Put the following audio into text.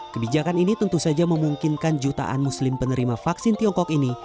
kebijakan ini tentu saja memungkinkan jutaan muslim penerima vaksin tiongkok ini